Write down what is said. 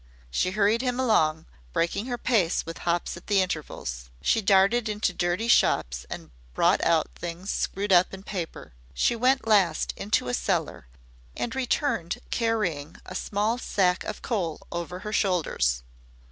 She hurried him along, breaking her pace with hops at intervals. She darted into dirty shops and brought out things screwed up in paper. She went last into a cellar and returned carrying a small sack of coal over her shoulders.